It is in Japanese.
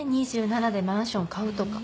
２７でマンション買うとか。